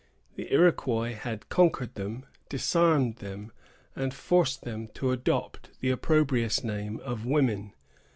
The Iroquois had conquered them, disarmed them, and forced them to adopt the opprobrious name of women.